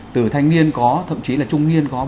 từ thanh niên có thậm chí là trung niên có